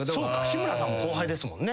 志村さんも後輩ですもんね。